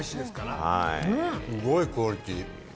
すごいクオリティー！